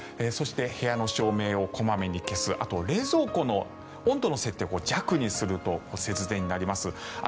そして部屋の照明を小まめに消すあと、冷蔵庫の温度の設定を弱にすると節電になります。